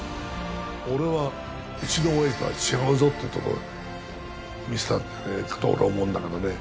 俺はうちの親父とは違うぞっていうところを見せたんじゃねえかと俺は思うんだけどね。